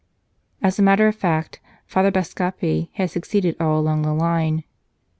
As a matter of fact, Father Bascape had suc ceeded all along the line.